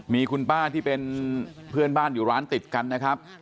มีคุณป้าที่เป็นเพื่อนบ้านอยู่ร้านติดกันนะครับ